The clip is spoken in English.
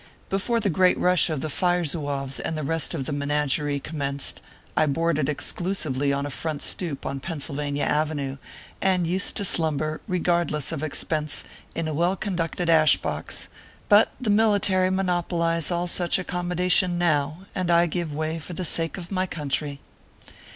Before the great rush of the Fire Zouaves and the rest of the menagerie commenced. I boarded exclusively on a front stoop on Pennsylvania Avenue, and used to slumber, regardless of expense, in a well conducted ash box ; but the military monopolize all such accommodation now, and I give way for the sake of my country.